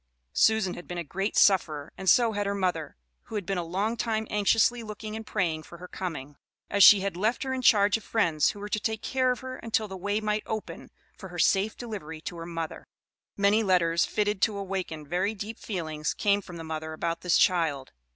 Susan had been a great sufferer, and so had her mother, who had been a long time anxiously looking and praying for her coming, as she had left her in charge of friends who were to take care of her until the way might open for her safe delivery to her mother. Many letters, fitted to awaken very deep feelings came from the mother about this child.